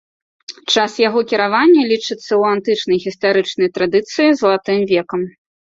Час яго кіравання лічыцца ў антычнай гістарычнай традыцыі залатым векам.